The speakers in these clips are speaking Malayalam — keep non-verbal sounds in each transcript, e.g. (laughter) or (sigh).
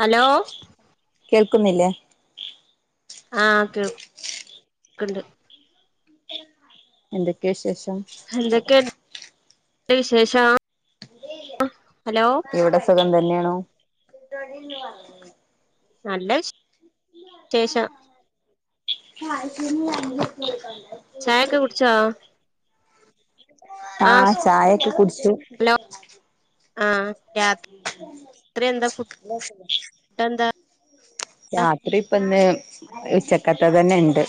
ഹലോ കേൾക്കുന്നില്ലേ ആഹ് കേൾക്ക്ണ്ട് എന്തൊക്കെയ വിശേഷം എന്തൊക്കെണ്ട് വിശേഷം ഹലോ ഇവിടെ സുഖം തന്നെയണോ നല്ല വിശേഷം ആ ശമ അക്ക ചായൊക്കെ കുടിച്ചോ ആഹ് ചായൊക്കെ കുടിച്ചു ഹലോ ആഹ് ത്രിയെന്താ ഫുഡെന്താ രാത്രി ഇപ്പ ഇന്ന് ഉച്ചക്കത്ത തന്നെ ണ്ട്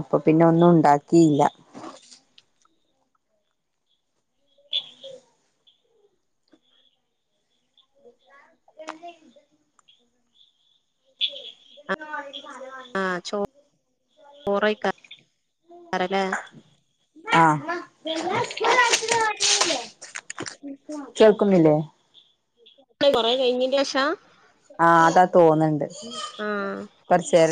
അപ്പൊ പിന്നെ ഒന്നും ഉണ്ടാക്കിയില്ല ഉ ആഹ് ചോ ചോറൈക്കാരം ല്ലേ ആഹ് കേൾക്കുന്നില്ലേ അ കൊറെ കഴിഞ്ഞേ റ്റേഷാ ആഹ് അതാ തോന്ന്ണ്ട് (unintelligible) ആഹ്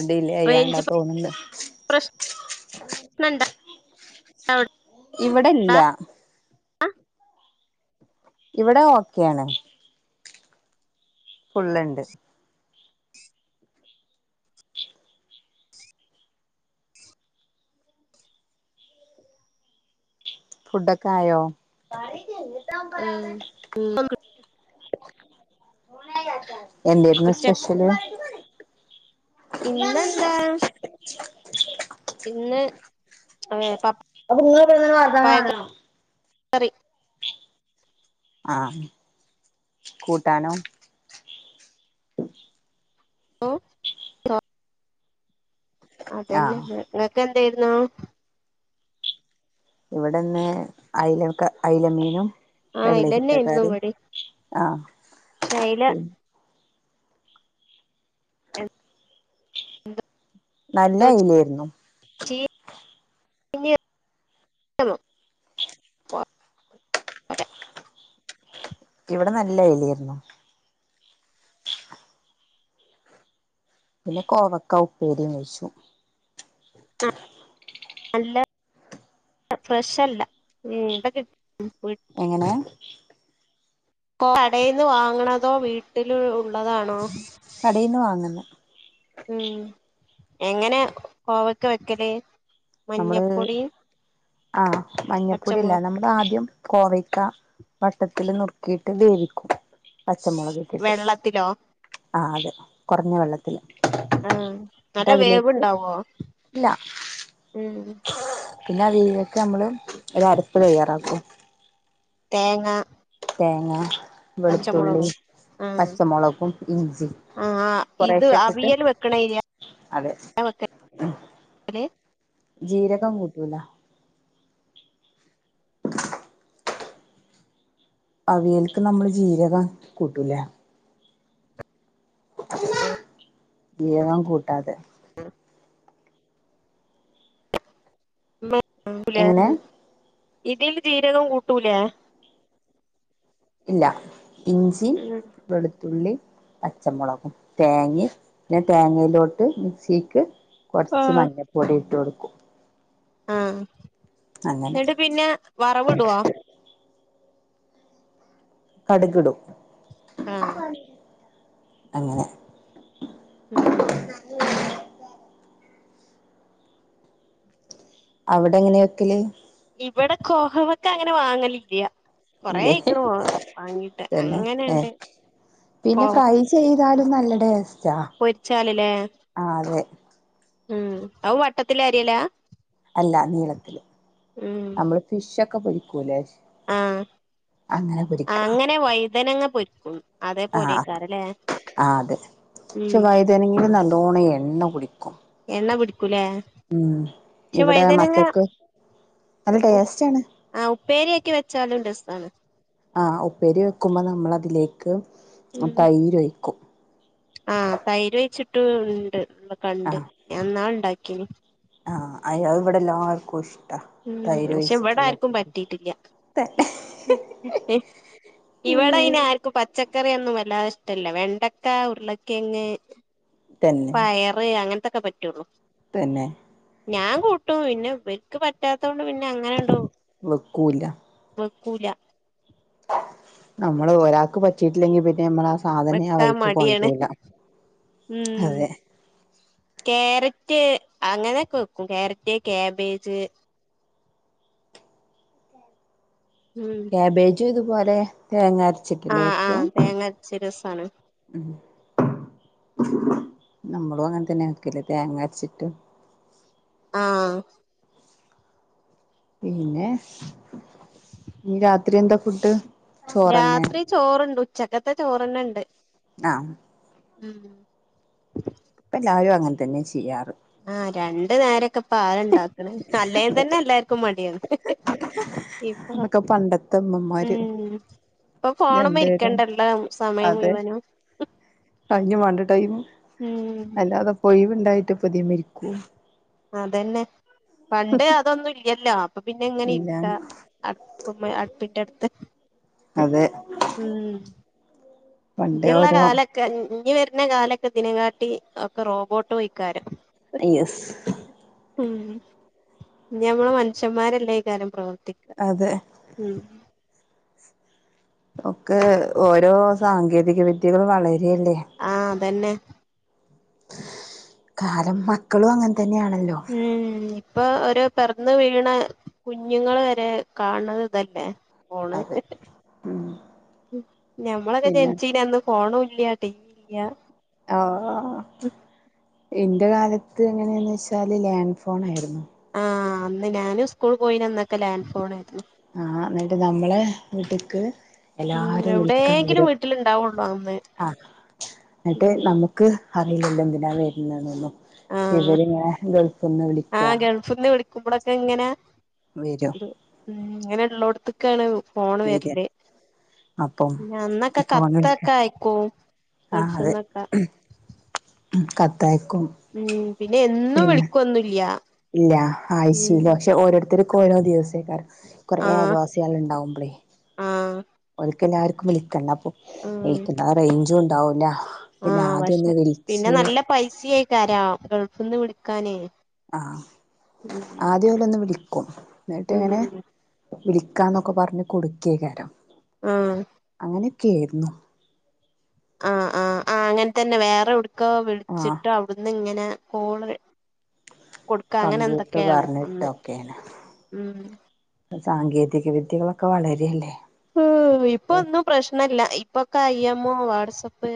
ണ്ടില്ലേ അയ്യാണ്ടാ റേഞ്ച് തോന്നണ്ട് നണ്ട അവിടെ ഇവിടെല്ല ആ ഇവിടെ ഓക്കെ ആണ് ഫുള്ള്ണ്ട് ഫുഡൊക്കെ ആയോ ആഹ എന്തായിരുന്നു ഉച്ച സ്പെഷ്യല് ഇന്നെന്താ ഉ ഇന്ന് ഏഹ് അപ്പൊ നിങ്ങും വാർത്തം വണണം സറി ആഹ കൂട്ടണോ ഹ ആ അതല്ലെ ആഹ് നിക്കെ എന്തായിരുന്നു ഇവിടെന്ന് അല അലമീനും ആഹ് അയിലെന്നേര്ന്നു വെള്ളരിക്കക്കാര് ഇവടിം ആഹ പക്ഷെ അയില പി എന്തോ നല്ല അലായിരുന്നു പിന്നലോ അ ഇവിടെ നല്ല എലരുന്നു പിന്നെ കോവക്ക ഉപ്പേരിയും കഴിച്ചു നല്ല ഫ്രഷ്ല്ല ഇതൊ എങ്ങനെയ കടയിൽന്ന് വാങ്ങണതോ വീട്ടിൽ ഉള്ളതാണോ കടയിന്ന് വാങ്ങുന്ന ഉം എങ്ങനെ കോവക്ക വെക്കല് മഞ്ഞപ്പൊടി ആഹ മഞ്ഞപ്പൊടല്ലേ നമ്മൾ ആദ്യം കോവക്ക വട്ടത്തിൽ നുറുക്കിയിട്ട് വേവിക്കും പച്ചമുളക്ക്ക ഇട്ട് വെള്ളത്തിലോ ആ അതെ കുറഞ്ഞ വെള്ളത്തില് ആഹ് ഇത നല്ല അതിലേക്ക് വേവുണ്ടാവോ ഇല്ല ഉം പിന്നെ അ രീതിക്കെ നമ്മള് ഒരു അരപ്പ് തയ്യാറാക്കും തേങ്ങ തേങ്ങ വെളുത്തുള്ളി പച്ചമുളകും ആഹ് പച്ചമുളകും ഇഞ്ചി ആഹ് ഇത് കൊറെശെക്ക ഇട്ട് അവിയൽ വെക്കണ ഏരിയ അതെ വെക്കല് ജീരകം കൂട്ടൂല അവിയൽക്ക് നമ്മള് ജീരകം കൂട്ടൂലേ ആഹ് വകം കൂട്ടാതെ എങ്ങനെ ഇതിൽ ജീരകം കൂട്ടൂലേ ഇല്ല ഇഞ്ചി വെളുത്തുള്ളി അച്ചമുളകും തേങ്ങ പിന്നെ തേങ്ങയിലോട്ട് മിക്സിക്ക് കുറച്ച് മഞ്ഞപ്പൊടി ഇട്ട് കൊടുക്കും ആഹ അങ്ങനെ എന്നിട്ട് പിന്നെ വറവി ഇടുവാ കടുുകിടും ആഹ് ഉം അവിടെ എങ്ങനെയൊക്കല് ഇവിടെ കോഹമൊക്കെ അങ്ങനെ വാങ്ങലില്ലയ ന്നെ ഏ അങ്ങനെണ്ട് പിന്നെ കോവക്ക ഫ്രൈ ചെയ്താലും നല്ല ഡേ പൊരിച്ചാലല്ലേ ഉം അവ വട്ടത്തില അരിയല്ലേ അല്ല നീളത്തില് നമ്മള് ഫിഷ ഒക്കെ പൊരിക്കൂലേ ആഹ അങ്ങനെ പൊരിക്ക അങ്ങനെ വൈതനങ്ങ പൊരിക്കൂ ആ ആ അതെ ഉം പക്ഷെ വൈതേനെങ്കിലിൽ നല്ലോണം എണ്ണ കുടിക്കും എണ്ണ പിടിക്കൂലേ ഉം പക്ഷെ ഇവിടെ വൈതനങ്ങ മക്കൾക്ക് നല്ല ഉപ് ടേസ്റ്റ് ആണ് ആ ഉപ്പേരിയക്കെ വെച്ചാലും രസാണ് ആ ഉപ്പേരി വെക്കുമ്പ നമ്മളതിലേക്ക് തൈര് ഒഴിക്കും ആ തൈര് ഒഴിച്ചിട്ട് ഇണ്ട് വെക്കണ്ട് ഞാനിന്നാള് ഇണ്ടാക്കീന് ആഹ് അയ്യ ഇവിടെല്ലാർക്കുഷ് ട്ട ഉം തൈര് പക്ഷെ ഇവിടെ ഒഴിച്ചിട്ടള്ള ഉപ്പേരി (unintelligible) ഇവിടയ്നാർക്കും പച്ചക്ക റിയൊന്നും വല്ലാതെ ഇഷ്ട്ടില്ല വെണ്ടക്ക ഉരുളക്കെയ്ങ് പയറ് അങ്ങനെ ത്തൊക്കെ പറ്റുവൊള്ളു പിന്നെ ഞാൻ കൂട്ടും പിന്നെ ഇവര്ക്ക് പറ്റാത്തോണ്ട് പിന്നെ അങ്ങനെണ്ടു വെക്കൂല വെക്കൂല നമ്മള് ഒരാൾക്ക് പറ്റിട്ടില്ലെങ്കിൽ പിന്നെ നമ്മള സാധനേ ആ വെക്കാൻ വഴിക്ക് മടിയാണ് കൊണ്ടരൂല ഉം അതെ ക്യാരറ്റ് അങ്ങനെക്കെ വെക്കും ക്യാരറ്റ് ക്യാബേജ് ഉം ക്യാബേജും ഇതുപോലെ തേങ്ങാര ചിട്ടല്ലേ ആഹ് വെക്ക ആഹ് തേങ്ങ അരച്ച രസാണ് ഉം നമ്മളും അങ്ങനെ തന്നെ വെക്കല് തേങ്ങാരച്ചിട്ട് ആ പിന്നെ ഇനി രാത്രി എന്താ ഫുഡ് ചോറന്നെ രാത്രി ചോറെണ്ട് ഉച്ചക്കത്തെ ചോറ്ന്നെണ്ട് ആ ഉം ഇപ്പ എല്ലാവരും അങ്ങനെ തന്നെ ചെയ്യാറ് ആ രണ്ടു നേരൊക്കെ ഇപ്പാരാ എണ്ടാക്കണെ അല്ലേ തന്നെ അതൊക്കെ എല്ലാർക്കും മടിയാണ് ഇപ്പൊ അതൊക്കെ പണ്ടത്തെ അമ്മമാര് ഉം ഇപ്പൊ ഫോണമ്മെ രണ്ടുപേരും ഇരിക്കേണ്ടല്ല സമയം മുഴുവനും അതിനും വേണ്ടെ ടൈം ഉം അല്ലാതിപ്പ ഒഴിവിണ്ടായിട്ടിപ്പ ഇതേമ്മെ ഇരിക്കോ അതന്നെ പണ്ട് അതൊന്നും ഇല്ലല്ലോ അപ്പൊ പിന്നെ എങ്ങനെ ഇല്ല ഇരിക്ക അടുപ്പ്മ്മെ അടുപ്പിന്റടുത്ത് അതെ ഇം പണ്ടേ ഇനിള്ള ഓരോ കാലൊക്കെ ഇഞ് വരുന്ന കാലൊക്കെ ഇതിനകാട്ടി ഒക്കെ റോബോട്ട് പോയ്ക്കാരം യെസ് ഉം നമ്മള് മനുഷ്യന്മാരല്ല ഈ കാര്യം പ്രവർ ത്തിക്ക അതെ ഉം ഒക്കെ ഓരോ സാങ്കേതിക വിദ്യകളും വള ആ അതന്നെ കാലം മക്കളും അങ്ങനെ തന്നെയാണല്ലോ ഇപ്പ ഒരു പിറന്ന വീണ കുഞ്ഞുങ്ങള് വരെ കാണണത് ഇതല്ലേ ഫോണ് അതെ ഉം ഞമ്മളൊക്കെ പിന്നെ ജനിച്ചീനന്ന് ഫോണു ഇല്ല്യ ടി വി ഇല്ല്യ ആഹ് ഇൻ്റെ കാലത്ത് എങ്ങനെയാന്ന് വെച്ചാൽ ലാൻഡ് ഫോണായിരുന്നു ആഹ് അന്ന് ഞാനും സ്കൂൾ പോയിന്നന്നൊക്കെ ലാൻഡ് ഫോൺ ആരുന്നു ആഹ് എന്നിട്ട് നമ്മളെ വീട്ട്ക്ക് ഉം എല്ലാരും വിളിക്കാൻ എവിടേങ്കിലും വരും വീട്ടിലുണ്ടാവുള്ളു അന്ന്. ആഹ് എന്നിട്ട് ഉം നമുക്ക് അറിയില്ലല്ലോ എന്തിനാ വരുന്നൊന്നും ആഹ് ഇവര്ങ്ങനെ ഗൾഫ്ന്ന് വിളിക്ക ഇവിടൊക്കെ ഇങ്ങന വരും ഇങ്ങനെ ഇള്ളോടത്തക്കാണ് ഫോണ് വര വരല് അപ്പം ന്നന്നൊക്കെ ഫോൺ വിളിക്ക കത്തൊക്കെ അയക്കും (unintelligible) വിശന്നോ ക്കെ കത്ത ഉം എന്നും പിന്നെ വിളിക്കൊന്നുല്ല. ഇല്ല ഉം ആഴചയിലൊ പക്ഷെ ഓരോരുത്തരും ക്കോരോ ദിവസേക്കർ കുറെ ആഹ് അയൽവാസിയാള് ഉണ്ടാവുമ്പളേ ആഹ് ക്ക് എല്ലാർക്കും വിളിക്ക അപ്പൊ ഉം (unintelligible) ന്നാ റേഞ്ചും ഉണ്ടാവുംല്ല ആഹ് പക്ഷെ പിന്നെ നല്ല പൈസയായിക്കരാ ഗൾഫ്ന്ന് വിളിക്കാനേ ആഹ് ഉം ആദ്യ പോലെ ഒന്ന് വിളിക്കും എന്നിട്ട് ഇങ്ങനെ ഉം വിളിക്കാന്നൊക്കെ പറഞ്ഞ് കൊടുക്കേ കാരം ആഹ് ക്കെരുന്നു ആഹ് ആഹ് ആ അങ്ങനെ തന്നെ വേറെ എവിടക്കോ ആഹ് വിളിച്ചിട്ടോ അവിടുന്ന് ഇങ്ങനെ ഫോണു കൊടുക്ക അങ്ങനെ കമ്പ്യൂട്ടർ എന്തൊക്കെയാണ് അന്ന് പറഞ്ഞിട്ടൊക്കെയാണ് മ്മ് സാങ്കേതിക്ക് മ്മ് ഇപ്പ ഒന്നും പ്രശ്നല്ല ഇപ്പൊ കയ്യം മ്മ വാട്സപ്പ്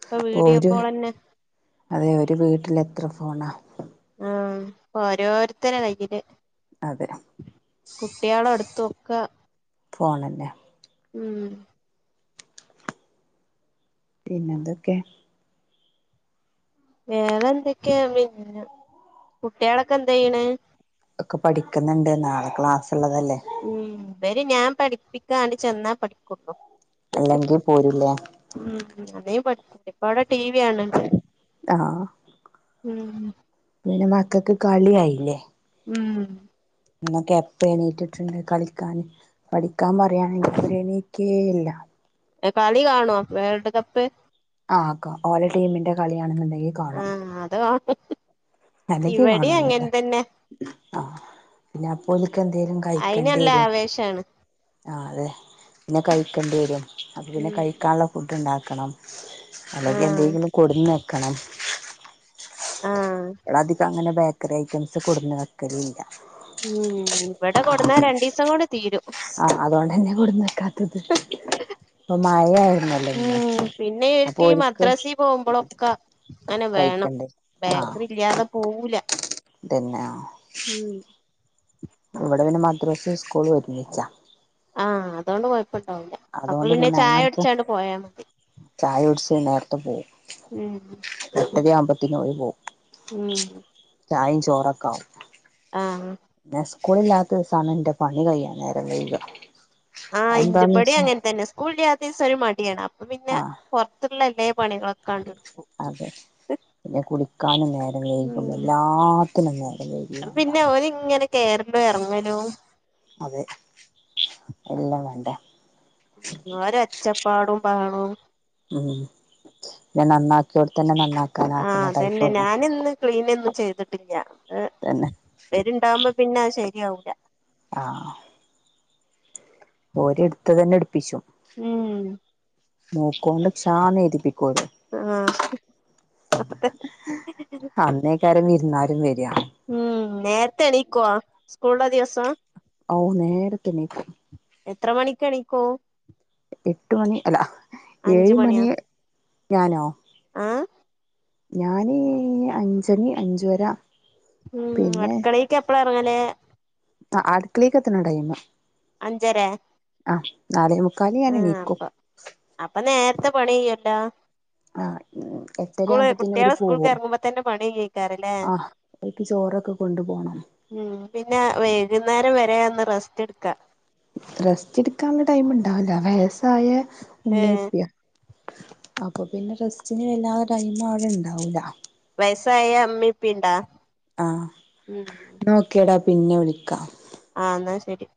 ഇപ്പൊ വീഡിയോ ഒരു കോളന്നെ അതെ ഒരു വീട്ടിൽ എത്ര ഫോണാ ആഹ് ഓരോരുത്തരെ കയ്യിയില് അതെ കുട്ടികളെ അടുത്തൊക്കെ ഫോണല്ലേ മ്മ് പിന്നെ അതൊക്കെ വേറെ എന്തൊക്കെയാ പിന്നെ കുട്ടികളൊക്കെ എന്താ ചെയ്യണ് ഒക്കെ പഠിക്കുന്നുണ്ട് നാളെ ക്ലാസ്സ് ഉള്ളതല്ലേ അവര് ഞാൻ പഠിപ്പിക്കാണ്ടി ചെന്നാ പഠിക്കുള്ളൂ അല്ലെങ്കിൽ പോരില്ല അല്ലെങ്കി ഇപ്പ അവിടെ ടി വി കാണണിണ്ട് ആഹ് പിന്നെ മക്കക്ക് കളിയായില്ലേ ഉം എന്നന്നൊക്കെ എപ്പ എണീറ്റിട്ടുണ്ട് കളിക്കാൻ പഠിക്കാൻ പറയയാണെങ്കിൽ അവര് എണീക്കേയില്ല കളി കാണോ വേൾട് കപ്പ് ആക്ക ഓല ടീമിന്റെ കളിയാണെന്നുണ്ടെങ്കി കാണും ആഹ് അത് കൊഴപ്പ അല്ലേക്കി ഇവിടിം അങ്ങൻ കാണോന്നില്ല തന്നെ ആഹ് പിന്നെ അപ്പോല്ക്ക് എന്തെലും അയിന് കഴിക്കണ്ടി നല്ല വരും ആവേശാണ് ആ അതെ പിന്നെ കഴിക്കേണ്ടി വരും അപ്പോ പിന്നെ ഉം കഴിക്കാനുള്ള ഫുഡ് ഉണ്ടാക്കണം അല്ലങ്കി ആഹ് എന്തെങ്കിലും കൊടുന്ന് വെക്കണം ആഹ് ഇള അധികം അങ്ങനെ ബേക്കറി ഐറ്റംസ് കൊടുന്ന് വെക്കല് ഇല്ല! ഉം! ഇവിടെ കൊണ്ടെന്നാ രണ്ടീസം കൊണ്ട് തീരും! ഇപ്പ മഴയാര്ന്നല്ലോ ഇന്ന്! ഉം പിന്നെ അപ്പൊ ഈക്ക് ഈ ഒരിക്കും മദ്രസിൽ പോവുമ്പോളൊക്കെ അങ്ങനെ വേണം കഴിക്കണ്ടേ ആഹ് ബേക്കറി! അറിയാതെ പോവൂല. പിന്നെ ഉം! ഇവിടെ പിന്നെ മദ്രസയും സ്‌കൂളും ഒരുമിച്ചാ! ആഹ്! അതൊണ്ട് കുഴപ്പല്ല. അപ്പൊ അതുകൊണ്ട് പിന്നെ ചായ അങ്ങനത്തെ കുടിച്ചോണ്ട് പോയാ മതി. തപ്പോ! ഉം! പിന്നെ ഓര് പോവും! ഉം! ചായയും ചോറൊക്കെ ആവും! ആഹ് ഞാൻ സ്കൂളില്ലാത്ത ദിവസാണ് എന്റെ പണി കഴ്യൻ നേരം വരുക! ആഹ്! ഇൻ്റെപടി അങ്ങനെ തന്നെ. സ്കൂളില്ലാത്ത ദിവസൊരു മടിയാണ്. അപ്പൊ പിന്നെ ആഹ് പുറത്തുള്ള പുറത്തുള്ള പണികളൊക്കെ കണ്ടെടുക്കും! അതെ പിന്നെ കുളിക്കാനും നേരം വൈകും. എല്ലാത്തിനും നേരം വൈകുംണ്ടാ! കേറലോ എറങ്ങലും! അതെ! എല്ലാം വേണ്ടേ! ഓര് ഒച്ചപാടും ബഹളോം! ഉം! ഞാൻ നന്നാക്കിയെടത്തു തന്നെ നന്ന! ആഹ്! അതന്നെ ഞാനിന്ന് ക്ലീനൊന്നും ചെയ്തിട്ടില്ല. തന്നെ ഇവരുണ്ടകുമ്പോ! പിന്നെയത് ശരിയാവൂല! ആഹ്! ഒരിടുത്ത് തന്നെ എടുപ്പിച്ചു! ഉം! മൂക്കു കൊണ്ട് ക്ഷാന്ന് എഴുതിപ്പി! ആഹ് അതെ അന്നേ കരഞ്ഞി! ഉം! നേരത്തെ എണീക്കുവോ? സ്കൂളുള്ളദിവസം? ഓ! നേരത്തെണീക്കും! എത്ര മണിക്ക് എണിക്കും? എട്ട് മണി അല്ല അഞ്ച് ഏഴ് മണി! മണിയോ ഞാനോ? ആഹ് ഞാനീ അഞ്ചണി അഞ്ചര! ഉം അടുക്കളയിലേക്കെപ്പളാ ഇറങ്ങല്? ആ! അടുക്കളേക്ക് എത്തിനടൈം! അഞ്ചര! മുക്കാല് ഞാൻ ആ! എണീക്കും അപ്പ അപ്പൊ നേരത്തെ പണി ചെയ്യല്ലോ? ആഹ്! ഉം എട്ടരയാവുമ്പോത്തന്നെ ഓര് കുട്ടികള് സ്കൂൾക്ക് പോവും. എറങ്ങുമ്പോ തന്നെ പണി കയ്യേക്കാരല്ലേ ആ! അവര്ക്ക് ചോറൊക്കെ കൊണ്ടു പോണം. ഉം! പിന്നെ വൈകുന്നേരം വരെ ഒന്ന്റെസ്റ്റ് എടുക്കാം. റെസ്റ്റ് എടുക്കാനുള്ള ടൈം ഉണ്ടാവില്ല. വയസ്സായ ഉമ്മയും ഏഹ് ഉപ്പയുമാ. അപ്പൊ പിന്നെ റെസ്റ്റിന് വല്ലാതെ ടൈം അവിടെ ഇണ്ടാവൂല. വയസ്സായ അമ്മി ഇപ്പണ്ടാ? ആഹ് നോക്കിയടാ പിന്നെ വിളിക്കാം! ആ എന്നാ ശരി!